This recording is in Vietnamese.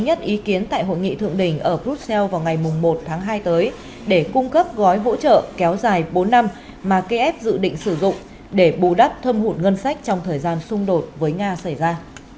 đã nhất ý kiến tại hội nghị thượng đỉnh ở brussels vào ngày một tháng hai tới để cung cấp gói hỗ trợ kéo dài bốn năm mà kiev dự định sử dụng để bù đắp thâm hụt ngân sách trong thời gian xung đột với nga xảy ra